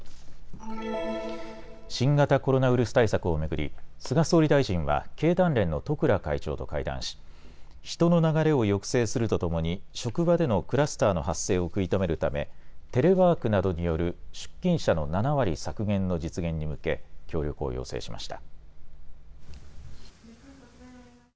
新型コロナウイルス対策を巡り菅総理大臣は経団連の十倉会長と会談し人の流れを抑制するとともに職場でのクラスターの発生を食い止めるためテレワークなどによる出勤者の７割削減の実現に向け協力を要請しました。